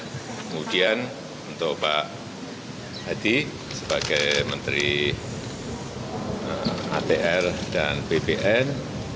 kemudian untuk pak hadi sebagai menteri atr dan bpn